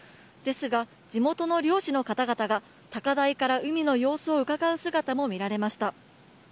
ですが、地元の漁師の方々が高台から海の様子をうかがう姿も見られました。